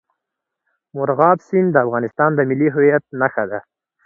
مورغاب سیند د افغانستان د ملي هویت نښه ده.